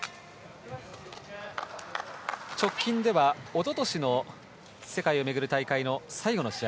直近では一昨年の世界を巡る大会の最後の試合